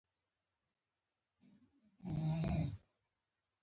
لکه څوک چې په منډه کې خبرې کوې.